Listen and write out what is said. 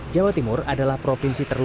jawa timur adalah provinsi terluar